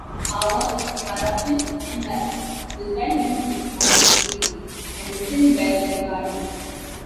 "Power, Corruption and Lies" was well-received on its release, and is still well-regarded.